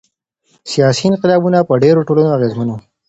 سیاسي انقلابونه په ډیرو ټولنو اغیزمن وو.